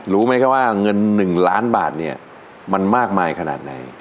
รู้ไหมครับว่าเงิน๑ล้านบาทเนี่ยมันมากมายขนาดไหน